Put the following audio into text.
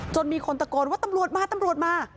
จนมีคนตะโกนว่าตำรวจมามา